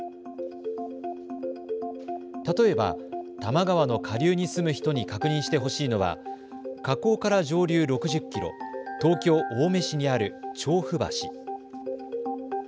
例えば多摩川の下流に住む人に確認してほしいのは河口から上流６０キロ、東京・青梅市にある調布橋。